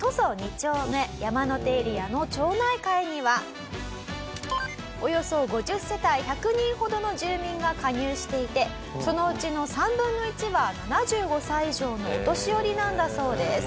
丁目山の手エリアの町内会にはおよそ５０世帯１００人ほどの住民が加入していてそのうちの３分の１は７５歳以上のお年寄りなんだそうです。